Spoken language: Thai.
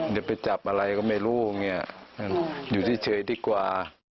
เดี๋ยวไปจับอะไรก็ไม่รู้เนี่ยอยู่เฉยดีกว่า